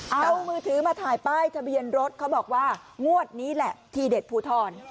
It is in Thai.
เอามือถือมาถ่ายป้ายทะเบียนรถเขาบอกว่างวดนี้แหละทีเด็ดภูทร